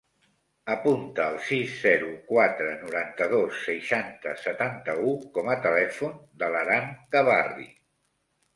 Apunta el sis, zero, quatre, noranta-dos, seixanta, setanta-u com a telèfon de l'Aran Gabarri.